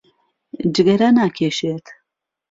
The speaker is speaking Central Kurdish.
جگەرە ناکێشێت.